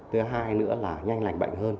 thứ hai nữa là nhanh lạnh bệnh hơn